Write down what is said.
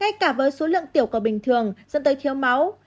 ngay cả với số lượng tiểu cờ bình thường dẫn tới thiếu máu